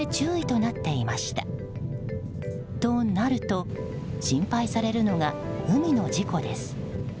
となると心配されるのが海の事故です。